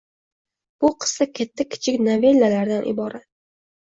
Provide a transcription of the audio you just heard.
Bu qissa katta-kichik novellalardan iborat.